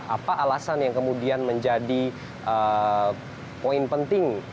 apa alasan yang kemudian menjadi poin penting